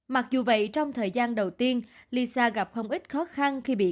mặc dù vậy trong thời gian đầu tiên lisa gặp không ít khó khăn khi bị